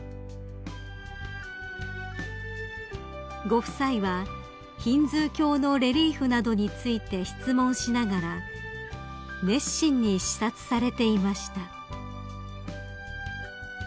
［ご夫妻はヒンズー教のレリーフなどについて質問しながら熱心に視察されていました］